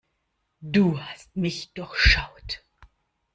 Du hast mich durchschaut.